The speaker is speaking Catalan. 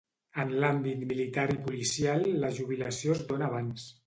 En l'àmbit militar i policial la jubilació es dóna abans.